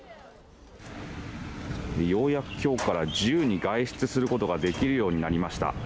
ようやく、きょうから自由に外出することができるようになりました。